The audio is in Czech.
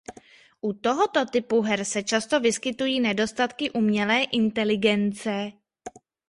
U tohoto typu her se často vyskytují nedostatky umělé inteligence.